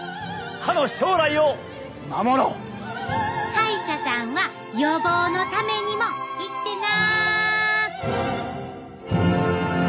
歯医者さんは予防のためにも行ってな！